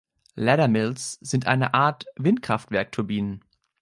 Laddermills sind eine Art Windkraftwerk-Turbinen.